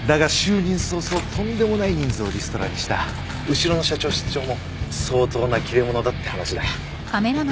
後ろの社長室長も相当な切れ者だって話だ。